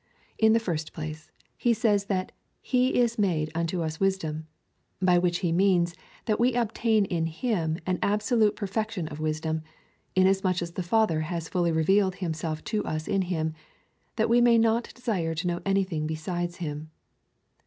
In i\\Q first place, he says that he is made unto us wisdom, by which he means, that we obtain in him an absolute per fection of wisdom, inasmuch as the Father has fully revealed himself to us in him, that we may not desire to know any thing besides him.